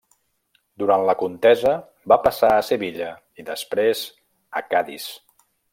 Durant la contesa va passar a Sevilla i després a Cadis.